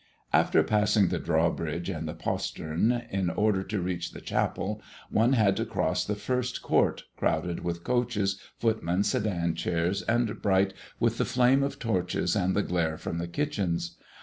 After passing the drawbridge and the postern, in order to reach the chapel, one had to cross the first court, crowded with coaches, footmen, sedan chairs, and bright with the flame of torches and the glare from the kitchens.